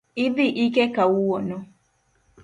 Idhii ike kawuono